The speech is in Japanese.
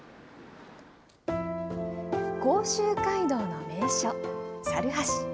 甲州街道の名所、猿橋。